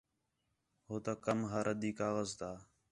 ہوتا کم ہا رَدّی کاغذ تا